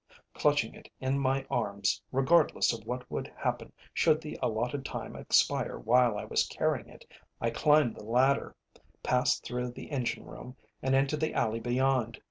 Clutching it in my arms, regardless of what would happen should the allotted time expire while I was carrying it, I climbed the ladder, passed through the engine room, and into the alley beyond.